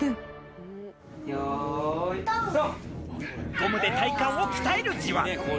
ゴムで体幹を鍛えるじわ。